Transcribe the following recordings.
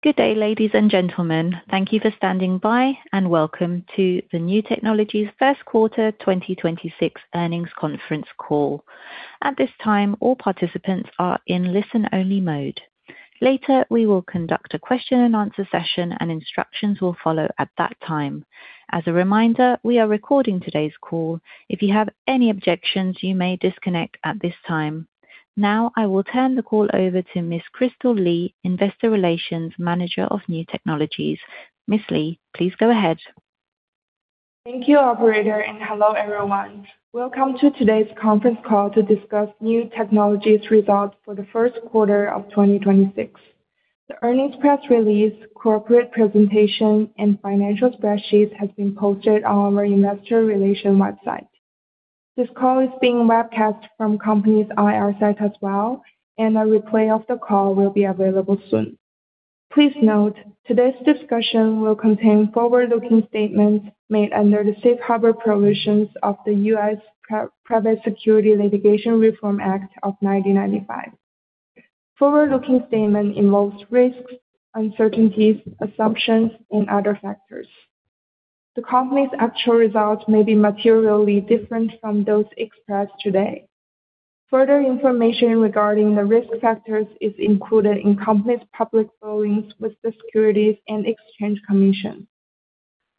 Good day, ladies and gentlemen. Thank you for standing by, and welcome to the Niu Technologies' first quarter 2026 earnings conference call. Now I will turn the call over to Miss Kristal Li, Investor Relations Manager of Niu Technologies. Miss Li, please go ahead. Thank you, operator, and hello, everyone. Welcome to today's conference call to discuss Niu Technologies results for the first quarter of 2026. The earnings press release, corporate presentation, and financial spreadsheets has been posted on our investor relations website. This call is being webcast from companies IR site as well, and a replay of the call will be available soon. Please note, today's discussion will contain forward-looking statements made under the safe harbor provisions of the U.S. Private Securities Litigation Reform Act of 1995. Forward-looking statement involves risks, uncertainties, assumptions, and other factors. The company's actual results may be materially different from those expressed today. Further information regarding the risk factors is included in company's public filings with the Securities and Exchange Commission.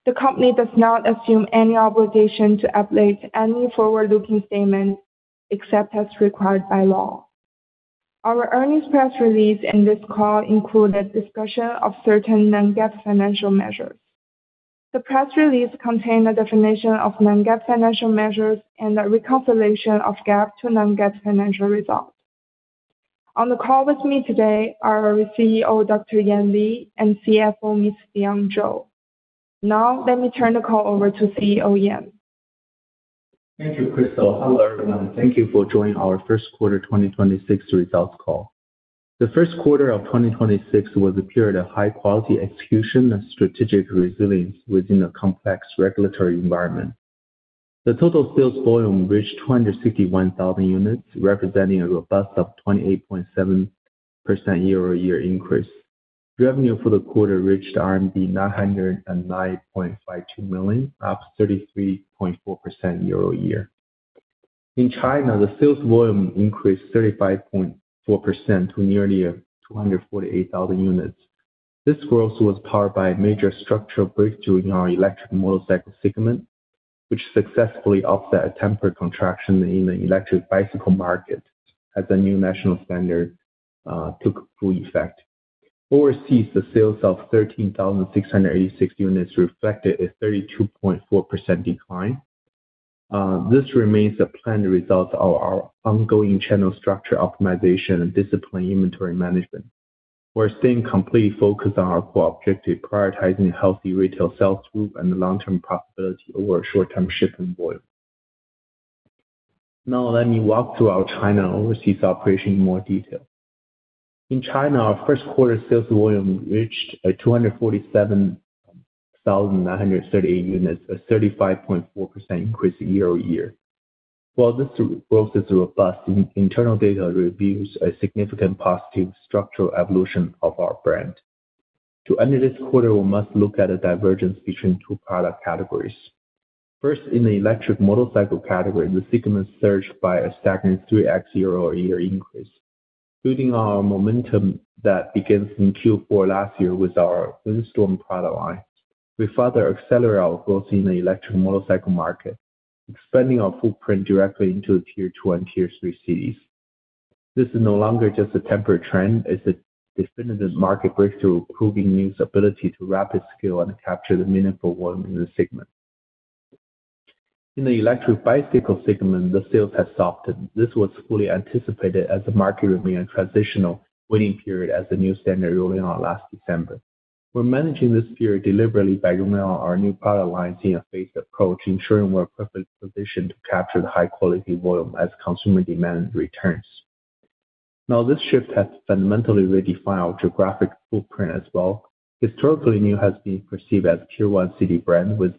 The company does not assume any obligation to update any forward-looking statement except as required by law. Our earnings press release and this call include a discussion of certain non-GAAP financial measures. The press release contains a definition of non-GAAP financial measures and a reconciliation of GAAP to non-GAAP financial results. On the call with me today are our CEO, Dr. Yan Li, and CFO, Miss Fion Zhou. Let me turn the call over to CEO Yan. Thank you, Kristal. Hello, everyone. Thank you for joining our first quarter 2026 results call. The first quarter of 2026 was a period of high-quality execution and strategic resilience within a complex regulatory environment. The total sales volume reached 261,000 units, representing a robust of 28.7% year-over-year increase. Revenue for the quarter reached RMB 909.52 million, up 33.4% year-over-year. In China, the sales volume increased 35.4% to nearly 248,000 units. This growth was powered by a major structural breakthrough in our electric motorcycle segment, which successfully offset a temporary contraction in the electric bicycle market as the new national standard took full effect. Overseas, the sales of 13,686 units reflected a 32.4% decline. This remains a planned result of our ongoing channel structure optimization and disciplined inventory management. We're staying completely focused on our core objective, prioritizing healthy retail sales growth and long-term profitability over short-term shipping volume. Let me walk through our China overseas operation in more detail. In China, our first quarter sales volume reached 247,938 units, a 35.4% increase year-over-year. While this growth is robust, internal data reveals a significant positive structural evolution of our brand. To end this quarter, we must look at a divergence between two product categories. First, in the electric motorcycle category, the segment surged by a staggering 3x year-over-year increase. Building on our momentum that begins in Q4 last year with our Windstorm product line, we further accelerate our growth in the electric motorcycle market, expanding our footprint directly into Tier 2 and Tier 3 cities. This is no longer just a temporary trend. It's a definitive market breakthrough, proving NIU's ability to rapid scale and capture the meaningful volume in the segment. In the electric bicycle segment, the sales have softened. This was fully anticipated as the market remains transitional waiting period as the new standard rolling out last December. We're managing this period deliberately by rolling out our new product lines in a phased approach, ensuring we're perfectly positioned to capture the high-quality volume as consumer demand returns. Now, this shift has fundamentally redefined our geographic footprint as well. Historically, NIU has been perceived as a Tier 1 city brand, with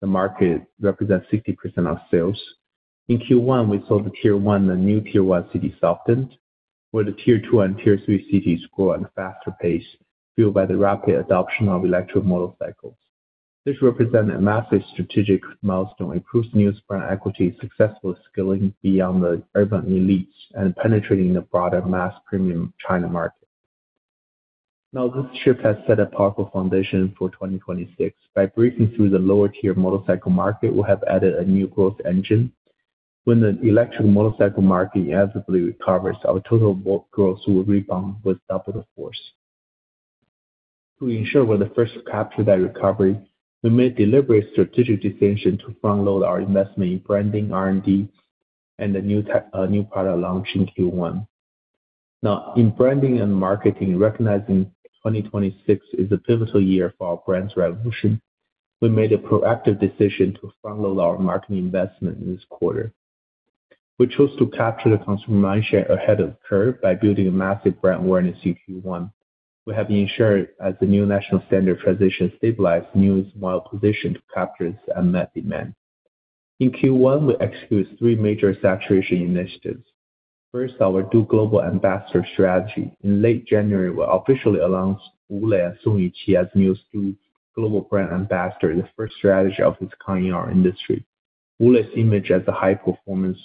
the market represents 60% of sales. In Q1, we saw the Tier 1, the new Tier 1 city softened, where the Tier 2 and Tier 3 cities grow on a faster pace, fueled by the rapid adoption of electric motorcycles. This represent a massive strategic milestone, improves NIU's brand equity, successfully scaling beyond the urban elites and penetrating the broader mass premium China market. Now, this shift has set a powerful foundation for 2026. By breaking through the lower-tier motorcycle market, we have added a new growth engine. When the electric motorcycle market inevitably recovers, our total growth will rebound with double the force. To ensure we're the first to capture that recovery, we made deliberate strategic decision to front-load our investment in branding, R&D, and the new product launch in Q1. In branding and marketing, recognizing 2026 is a pivotal year for our brand's revolution, we made a proactive decision to front-load our marketing investment in this quarter. We chose to capture the consumer mindshare ahead of curve by building a massive brand awareness in Q1. We have ensured as the new national standard transition stabilized, NIU is well-positioned to capture its unmet demand. In Q1, we executed three major saturation initiatives. First, our two global ambassador strategy. In late January, we officially announced Wu Lei and Song Yuqi as NIU's two global brand ambassadors, the first strategy of this kind in our industry. Wu Lei's image as a high-performance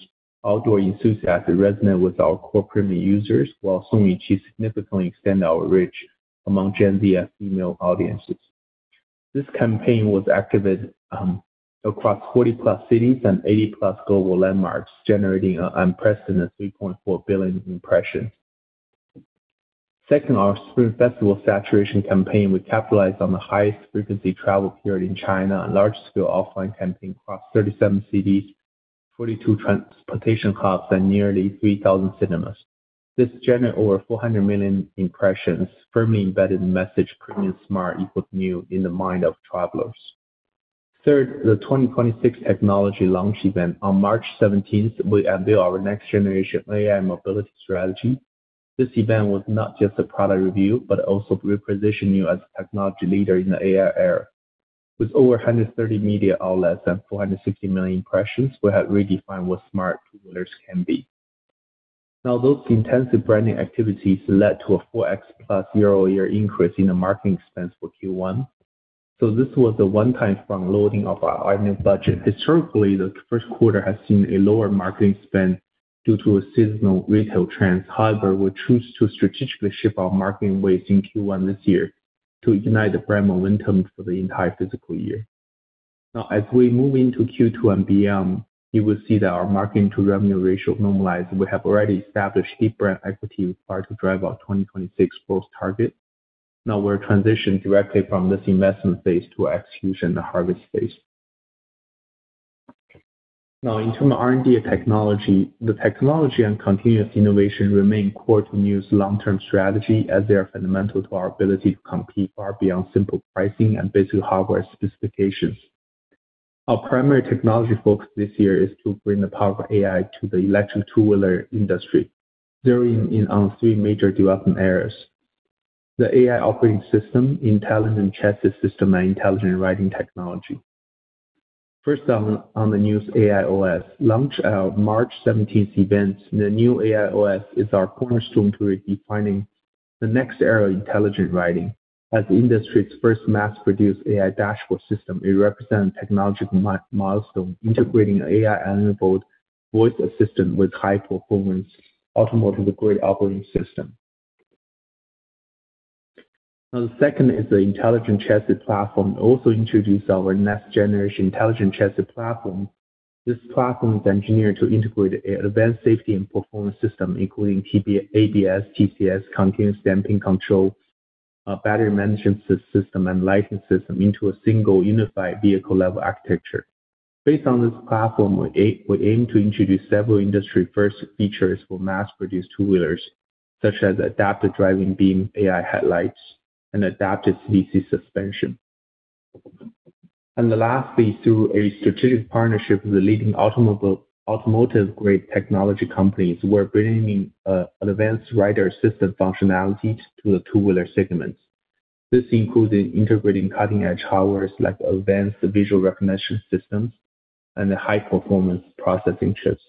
outdoor enthusiast resonated with our core premium users, while Song Yuqi significantly extended our reach among Gen Z as female audiences. This campaign was activated across 40+ cities and 80+ global landmarks, generating an unprecedented 3.4 billion impressions. Second, our Spring Festival saturation campaign, which capitalized on the highest frequency travel period in China, a large-scale offline campaign across 37 cities, 42 transportation hubs, and nearly 3,000 cinemas. This generated over 400 million impressions, firmly embedded the message, premium, smart, NIU, in the mind of travelers. Third, the 2026 technology launch event. On March 17th, we unveiled our next-generation AI mobility strategy. This event was not just a product review, but also repositioned NIU as a technology leader in the AI era. With over 130 media outlets and 450 million impressions, we have redefined what smart two-wheelers can be. Those intensive branding activities led to a 4x+ year-over-year increase in the marketing expense for Q1. This was a one-time front-loading of our annual budget. Historically, the first quarter has seen a lower marketing spend due to a seasonal retail trend. However, we choose to strategically shift our marketing weights in Q1 this year to ignite the brand momentum for the entire fiscal year. As we move into Q2 and beyond, you will see that our marketing-to-revenue ratio normalized. We have already established deep brand equity required to drive our 2026 growth target. We're transitioned directly from this investment phase to execution, the harvest phase. In terms of R&D and technology, the technology and continuous innovation remain core to NIU's long-term strategy as they are fundamental to our ability to compete far beyond simple pricing and basic hardware specifications. Our primary technology focus this year is to bring the power of AI to the electric two-wheeler industry, zeroing in on three major development areas: the AI operating system, intelligent chassis system, and intelligent riding technology. First on the NIU's AI OS. Launched at our March seventeenth event, the NIU AI OS is our cornerstone to redefining the next era of intelligent riding. As the industry's first mass-produced AI dashboard system, it represents a technological milestone, integrating AI-enabled voice assistant with high-performance automotive-grade operating system. Now, the second is the intelligent chassis platform. We also introduced our next-generation intelligent chassis platform. This platform is engineered to integrate advanced safety and performance system, including ABS, TCS, continuous damping control, battery management system, and lighting system into a single unified vehicle-level architecture. Based on this platform, we aim to introduce several industry-first features for mass-produced two-wheelers, such as adaptive driving beam AI headlights and adaptive CDC suspension. The last is through a strategic partnership with the leading automotive-grade technology companies. We're bringing advanced rider assistant functionality to the two-wheeler segments. This includes integrating cutting-edge hardwares like advanced visual recognition systems and high-performance processing chips.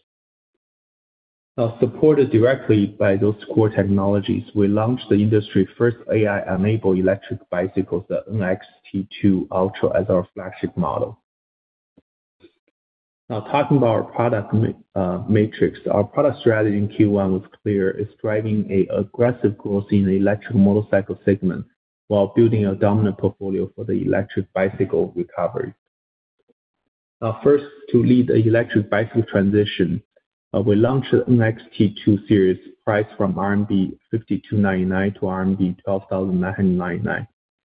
Supported directly by those core technologies, we launched the industry's first AI-enabled electric bicycle, the NXT2 Ultra, as our flagship model. Talking about our product matrix. Our product strategy in Q1 was clear. It's driving a aggressive growth in the electric motorcycle segment while building a dominant portfolio for the electric bicycle recovery. First, to lead the electric bicycle transition, we launched the NXT series, priced from RMB 5,299 to RMB 12,999.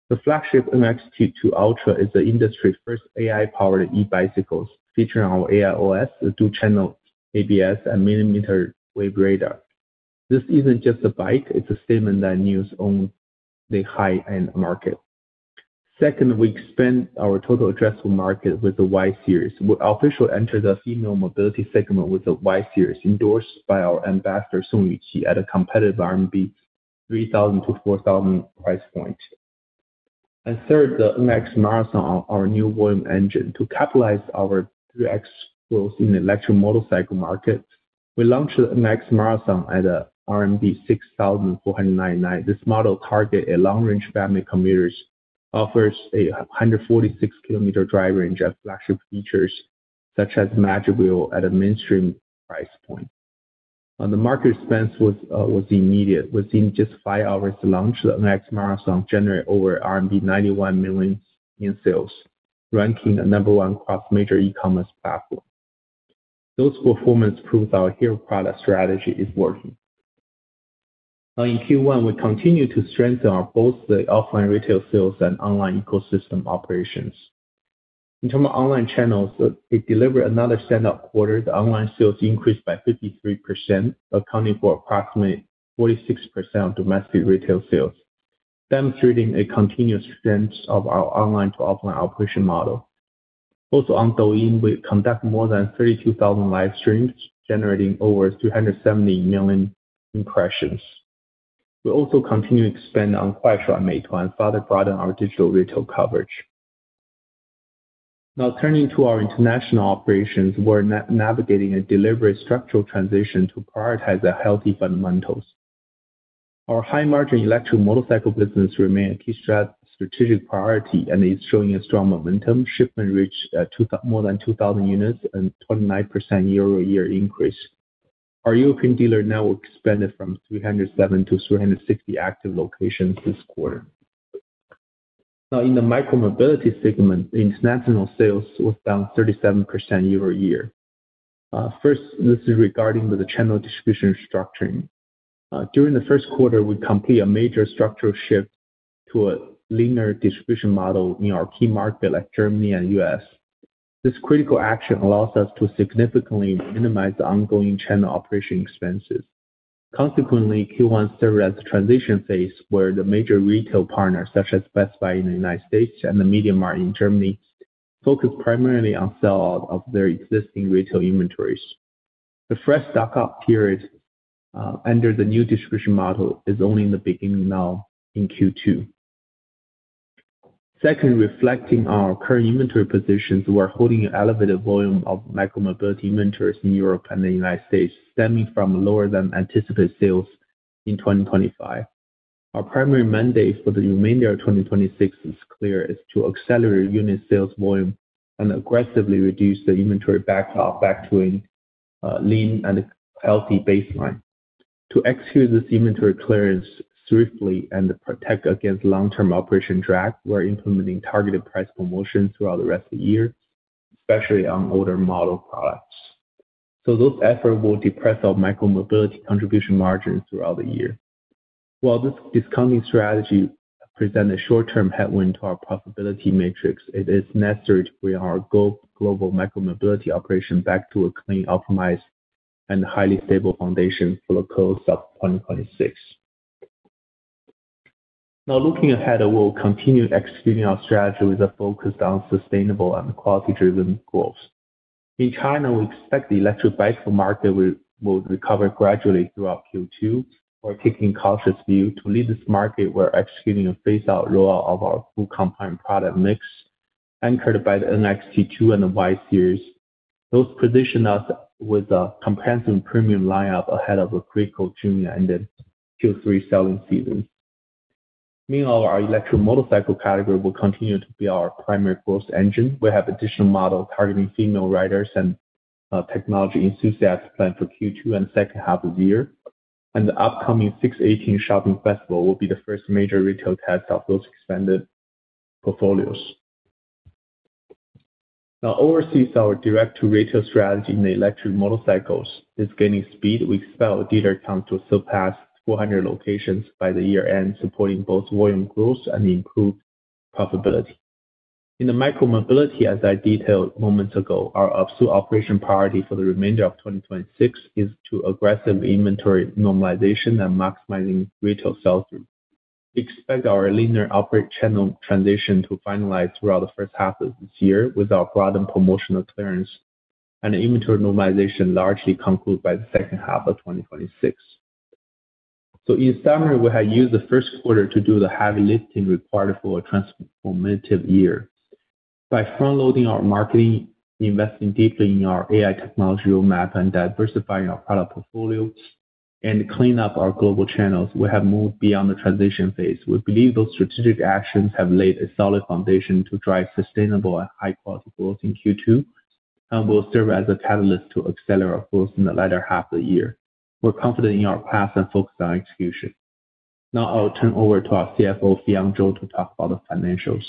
The flagship NXT2 Ultra is the industry's first AI-powered e-bicycles, featuring our AI OS, the two-channel ABS, and millimeter wave radar. This isn't just a bike, it's a statement that NIU's own the high-end market. Second, we expand our total addressable market with the Y series. We officially entered the female mobility segment with the Y series, endorsed by our ambassador, Song Yuqi, at a competitive 3,000-4,000 RMB price point. Third, the NX Marathon, our new volume engine. To capitalize our 3x growth in the electric motorcycle market, we launched the NX Marathon at a RMB 6,499. This model target a long-range family commuters, offers a 146 km drive range and flagship features such as magic wheel at a mainstream price point. The market response was immediate. Within just five hours of launch, the NX Marathon generated over RMB 91 million in sales, ranking at number one across major e-commerce platforms. Those performance proves our hero product strategy is working. Now, in Q1, we continued to strengthen our both the offline retail sales and online ecosystem operations. In terms of online channels, we delivered another stand-up quarter. The online sales increased by 53%, accounting for approximately 46% of domestic retail sales, demonstrating a continuous strength of our online-to-offline operation model. Also, on Douyin, we conduct more than 32,000 live streams, generating over 270 million impressions. We also continue to expand on Kuaishou and Meituan, further broaden our digital retail coverage. Now turning to our international operations, we're navigating a deliberate structural transition to prioritize the healthy fundamentals. Our high-margin electric motorcycle business remain a key strategic priority, and it's showing a strong momentum. Shipment reached more than 2,000 units and 29% year-over-year increase. Our European dealer now expanded from 307 to 360 active locations this quarter. In the micro-mobility segment, international sales was down 37% year-over-year. First, this is regarding the channel distribution structuring. During the first quarter, we complete a major structural shift to a linear distribution model in our key market like Germany and U.S. This critical action allows us to significantly minimize the ongoing channel operation expenses. Consequently, Q1 serve as the transition phase where the major retail partners, such as Best Buy in the United States and MediaMarkt in Germany, focus primarily on sell-out of their existing retail inventories. The fresh stock-up period, under the new distribution model is only in the beginning now in Q2. Secondly, reflecting our current inventory positions, we are holding an elevated volume of micro-mobility inventories in Europe and the U.S., stemming from lower-than-anticipated sales in 2025. Our primary mandate for the remainder of 2026 is clear, is to accelerate unit sales volume and aggressively reduce the inventory backlog back to a lean and healthy baseline. To execute this inventory clearance swiftly and protect against long-term operation drag, we're implementing targeted price promotions throughout the rest of the year, especially on older model products. Those efforts will depress our micro-mobility contribution margins throughout the year. While this discounting strategy present a short-term headwind to our profitability matrix, it is necessary to bring our global micro-mobility operation back to a clean, optimized, and highly stable foundation for the close of 2026. Looking ahead, we'll continue executing our strategy with a focus on sustainable and quality-driven growth. In China, we expect the electric bicycle market will recover gradually throughout Q2. We're taking cautious view. To lead this market, we're executing a phased out rollout of our full compound product mix, anchored by the NXT2 and the Y Series. Those position us with a comprehensive premium lineup ahead of a critical June and then Q3 selling season. Our electric motorcycle category will continue to be our primary growth engine. We have additional model targeting female riders and technology enthusiasts planned for Q2 and second half of the year. The upcoming 618 shopping festival will be the first major retail test of those expanded portfolios. Overseas, our direct-to-retail strategy in the electric motorcycles is gaining speed. We expect dealer count to surpass 400 locations by the year-end, supporting both volume growth and improved profitability. In the micro-mobility, as I detailed moments ago, our absolute operation priority for the remainder of 2026 is to aggressive inventory normalization and maximizing retail sell-through. We expect our linear operate channel transition to finalize throughout the first half of this year, with our broadened promotional clearance and inventory normalization largely conclude by the second half of 2026. In summary, we have used the first quarter to do the heavy lifting required for a transformative year. By front-loading our marketing, investing deeply in our AI technology roadmap, and diversifying our product portfolios, and clean up our global channels, we have moved beyond the transition phase. We believe those strategic actions have laid a solid foundation to drive sustainable and high-quality growth in Q2, and will serve as a catalyst to accelerate our growth in the latter half of the year. We're confident in our path and focused on execution. Now I'll turn over to our CFO, Fion Zhou, to talk about the financials.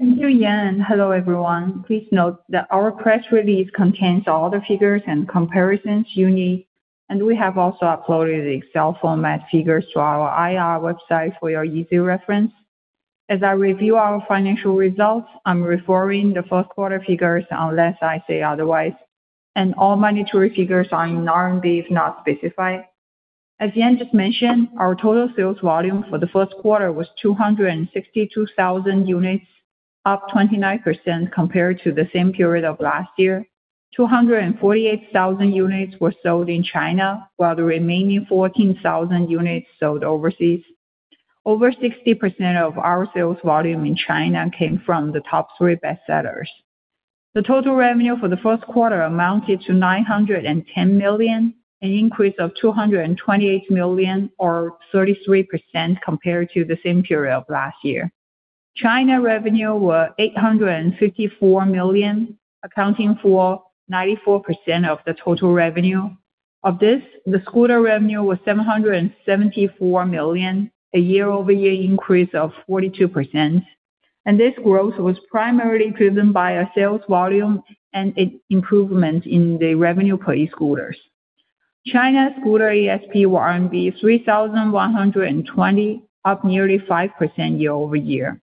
Thank you, Yan, and hello, everyone. Please note that our press release contains all the figures and comparisons you need, and we have also uploaded the Excel format figures to our IR website for your easy reference. As I review our financial results, I'm referring the first quarter figures unless I say otherwise, and all monetary figures are in RMB if not specified. As Yan just mentioned, our total sales volume for the first quarter was 262,000 units, up 29% compared to the same period of last year. 248,000 units were sold in China, while the remaining 14,000 units sold overseas. Over 60% of our sales volume in China came from the top three bestsellers. The total revenue for the first quarter amounted to 910 million, an increase of 228 million, or 33% compared to the same period of last year. China revenue were 854 million, accounting for 94% of the total revenue. Of this, the scooter revenue was 774 million, a year-over-year increase of 42%, and this growth was primarily driven by a sales volume and improvement in the revenue per e-scooters. China scooter ASP were 3,120, up nearly 5% year-over-year.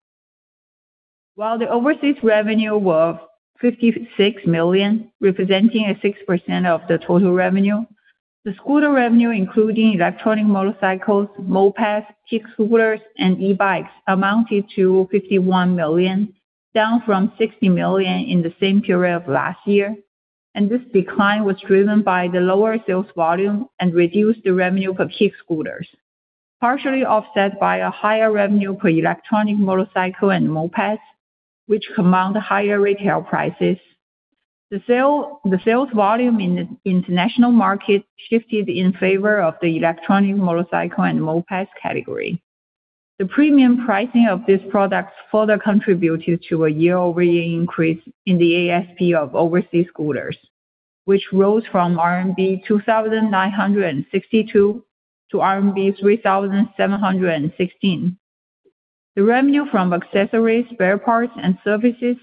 While the overseas revenue were 56 million, representing a 6% of the total revenue, the scooter revenue, including electric motorcycles, mopeds, kick scooters, and e-bikes, amounted to 51 million, down from 60 million in the same period of last year. This decline was driven by the lower sales volume and reduced the revenue per kick scooters. Partially offset by a higher revenue per electric motorcycle and mopeds, which command higher retail prices. The sales volume in the international market shifted in favor of the electric motorcycle and mopeds category. The premium pricing of this product further contributed to a year-over-year increase in the ASP of overseas scooters, which rose from RMB 2,962 to RMB 3,716. The revenue from accessories, spare parts and services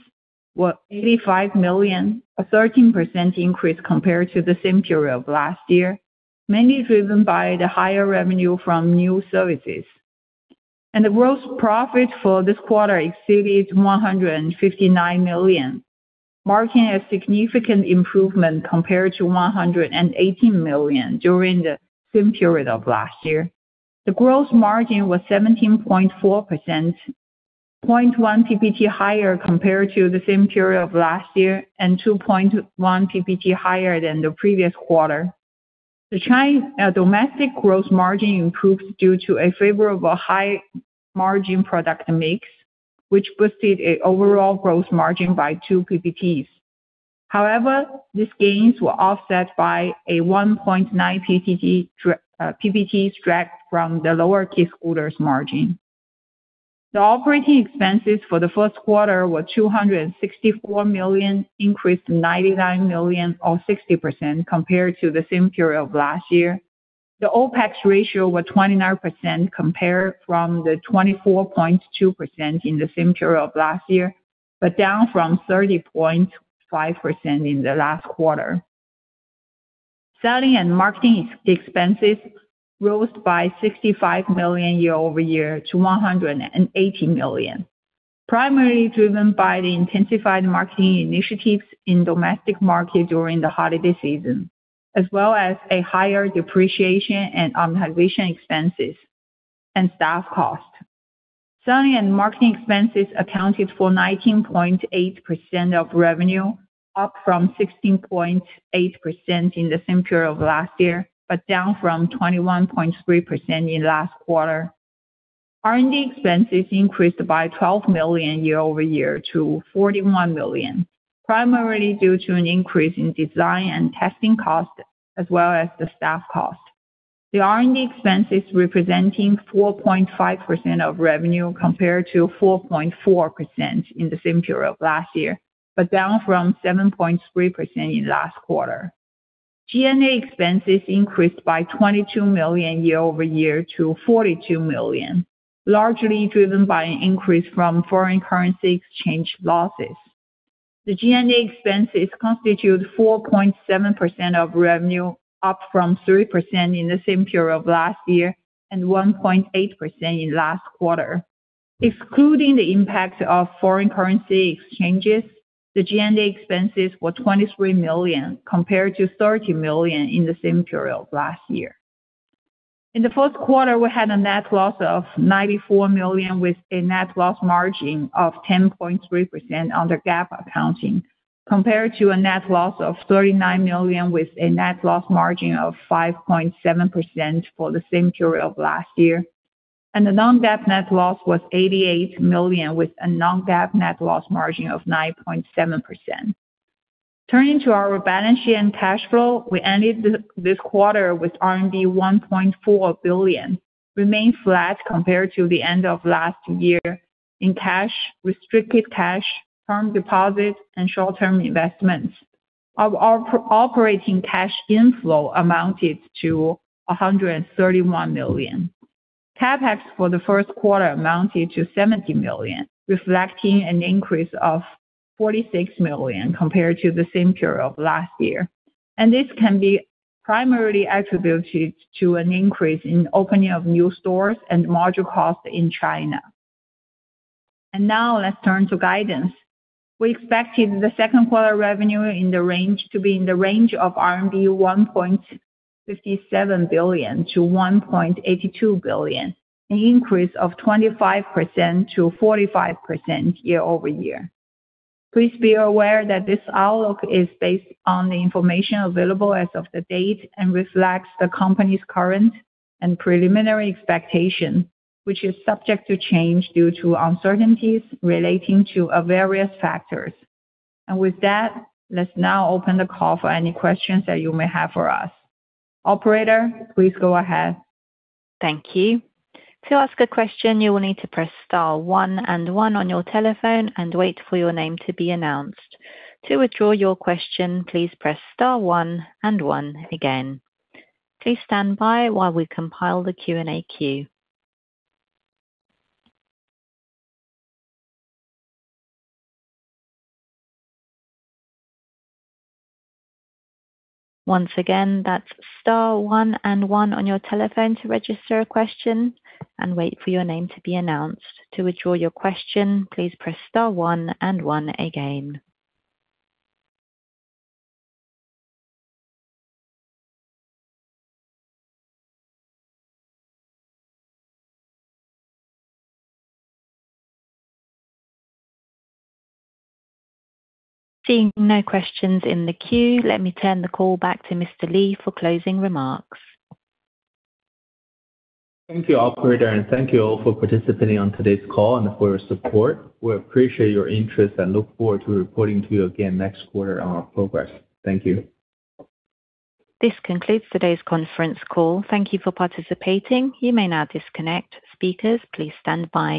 were 85 million, a 13% increase compared to the same period of last year, mainly driven by the higher revenue from new services. The gross profit for this quarter exceeded 159 million, marking a significant improvement compared to 180 million during the same period of last year. The gross margin was 17.4%, 0.1 percentage points higher compared to the same period of last year, and 2.1 percentage points higher than the previous quarter. The domestic gross margin improved due to a favorable high-margin product mix, which boosted a overall gross margin by 2 percentage points. However, these gains were offset by a 1.9 percentage points drag from the lower kick scooters margin. The operating expenses for the first quarter were 264 million, increased 99 million or 60% compared to the same period of last year. The OpEx ratio was 29% compared from the 24.2% in the same period of last year, but down from 30.5% in the last quarter. Selling and marketing expenses rose by 65 million year-over-year to 180 million, primarily driven by the intensified marketing initiatives in domestic market during the holiday season, as well as a higher depreciation and amortization expenses and staff cost. Selling and marketing expenses accounted for 19.8% of revenue, up from 16.8% in the same period of last year, but down from 21.3% in last quarter. R&D expenses increased by 12 million year-over-year to 41 million, primarily due to an increase in design and testing cost, as well as the staff cost. The R&D expenses representing 4.5% of revenue compared to 4.4% in the same period of last year, but down from 7.3% in last quarter. G&A expenses increased by 22 million year-over-year to 42 million, largely driven by an increase from foreign currency exchange losses. The G&A expenses constitute 4.7% of revenue, up from 3% in the same period of last year and 1.8% in last quarter. Excluding the impact of foreign currency exchanges, the G&A expenses were 23 million compared to 30 million in the same period last year. In the first quarter, we had a net loss of 94 million with a net loss margin of 10.3% under GAAP accounting, compared to a net loss of 39 million with a net loss margin of 5.7% for the same period of last year. The non-GAAP net loss was 88 million, with a non-GAAP net loss margin of 9.7%. Turning to our balance sheet and cash flow, we ended this quarter with R&D 1.4 billion, remain flat compared to the end of last year. In cash, restricted cash, term deposits, and short-term investments, our operating cash inflow amounted to 131 million. CapEx for the first quarter amounted to 70 million, reflecting an increase of 46 million compared to the same period of last year. This can be primarily attributed to an increase in opening of new stores and module cost in China. Now let's turn to guidance. We expected the second quarter revenue to be in the range of 1.57 billion-1.82 billion RMB, an increase of 25%-45% year-over-year. Please be aware that this outlook is based on the information available as of the date and reflects the company's current and preliminary expectation, which is subject to change due to uncertainties relating to various factors. With that, let's now open the call for any questions that you may have for us. Operator, please go ahead. Thank you. To ask a question, you will need to press star one and one on your telephone and wait for your name to be announced. To withdraw your question, please press star one and one again. Please stand by while we compile the Q&A queue. Once again, that's star one and one on your telephone to register a question and wait for your name to be announced. To withdraw your question, please press star one and one again. Seeing no questions in the queue, let me turn the call back to Mr. Li for closing remarks. Thank you, operator, and thank you all for participating on today's call and for your support. We appreciate your interest and look forward to reporting to you again next quarter on our progress. Thank you. This concludes today's conference call. Thank you for participating. You may now disconnect. Speakers, please stand by.